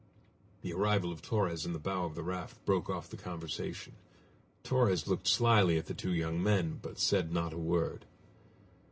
The arrival of Torres in the bow of the raft broke off the conversation. Torres looked slyly at the two young men, but said not a word.